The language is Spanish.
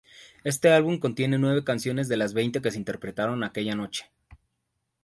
Este álbum contiene nueve canciones de las veinte que se interpretaron aquella noche.